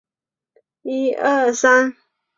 他也代表苏格兰各级国家青年足球队参赛。